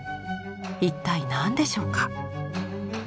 一体何でしょうか。